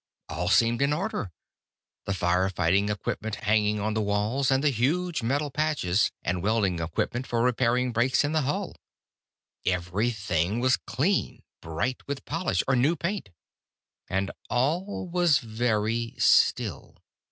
All seemed in order the fire fighting equipment hanging on the walls, and the huge metal patches and welding equipment for repairing breaks in the hull. Everything was clean, bright with polish or new paint. And all was very still.